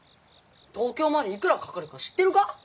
東京までいくらかかるか知ってるか？